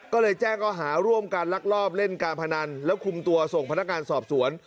ก็เลยแจ้งก็หาร่วมการลักลอบเล่นการพนันแล้วคุมตัวส่งพนักงานสอบสวน